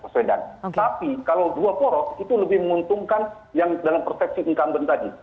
tapi kalau dua poros itu lebih menguntungkan yang dalam persepsi incumbent tadi